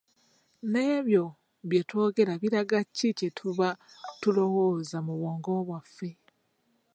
Nebyo bye twogera biraga kiki kye tuba tulowooza mu bwongo bwaffe.